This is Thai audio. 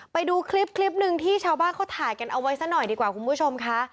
ไปดูคลิปคลิปหนึ่งที่ชาวบ้านเขาถ่ายกันเอาไว้ซะหน่อยดีกว่าคุณผู้ชมค่ะ